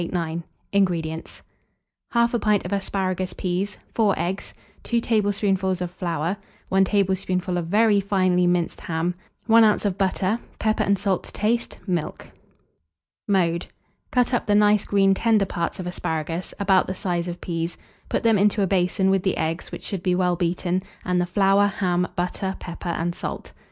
INGREDIENTS. 1/2 pint of asparagus peas, 4 eggs, 2 tablespoonfuls of flour, 1 tablespoonful of very finely minced ham, 1 oz. of butter, pepper and salt to taste, milk. Mode. Cut up the nice green tender parts of asparagus, about the size of peas; put them into a basin with the eggs, which should be well beaten, and the flour, ham, butter, pepper, and salt.